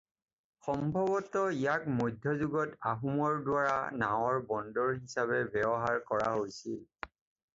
সম্ভৱতঃ ইয়াক মধ্যযুগত আহোমৰ দ্বাৰা নাৱৰ বন্দৰ হিচাপে ব্যৱহাৰ কৰা হৈছিল।